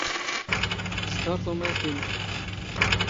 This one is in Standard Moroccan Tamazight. ⵉⵥⴹⴰⵕ ⵜⵓⵎ ⴰⴷ ⴰⴽ ⵉⵎⵍ.